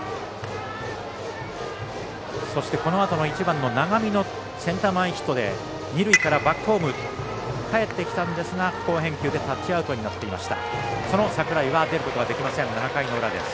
そして、このあとの１番の永見のセンター前ヒットで二塁からバックホームかえってきたんですが好返球でタッチアウトになっていました。